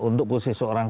untuk posisi orang